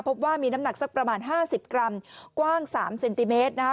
พบว่ามีน้ำหนักสักประมาณ๕๐กรัมกว้าง๓เซนติเมตรนะคะ